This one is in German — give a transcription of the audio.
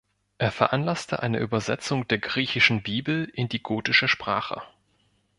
Er veranlasste eine Übersetzung der griechischen Bibel in die gotische Sprache.